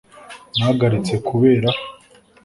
nahagaritse kureba